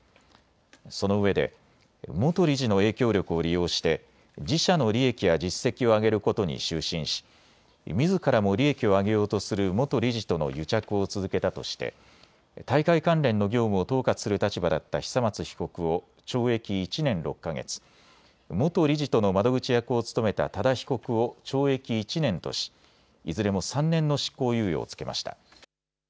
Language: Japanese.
そのうえで元理事の影響力を利用して自社の利益や実績を上げることに執心しみずからも利益を上げようとする元理事との癒着を続けたとして大会関連の業務を統括する立場だった久松被告を懲役１年６か月、元理事との窓口役を務めた多田被告を懲役１年としいずれも３年の執行猶予を付けました。